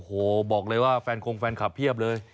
โอ้โหบอกเลยว่าแฟนคงแฟนคลับเพียบเลย